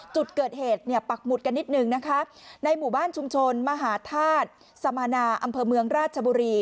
จุดเกิดเหตุเนี่ยปักหมุดกันนิดนึงนะคะในหมู่บ้านชุมชนมหาธาตุสมานาอำเภอเมืองราชบุรี